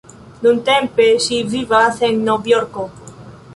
Nuntempe, ŝi vivas en Nov-Jorko.